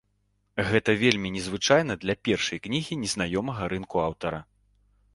Гэта вельмі незвычайна для першай кнігі незнаёмага рынку аўтара.